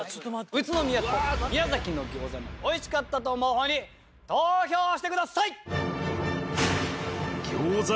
宇都宮と宮崎の餃子のおいしかったと思う方に投票してください！